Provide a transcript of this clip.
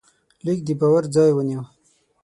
لیک د باور ځای ونیو.